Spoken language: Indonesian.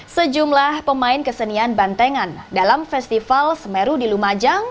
sejumlah pemain kesenian bantengan dalam festival semeru di lumajang